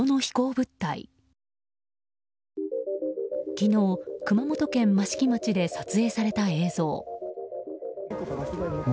昨日、熊本県益城町で撮影された映像。